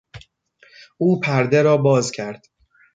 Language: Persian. او پرده را باز کرد.